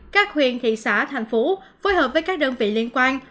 các huyền thị xã thành phố phối hợp với các đơn vị liên quan